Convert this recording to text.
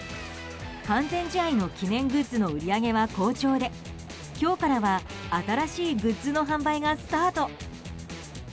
完全試合の記念グッズの売り上げは好調で今日からは新しいグッズの販売がスタート。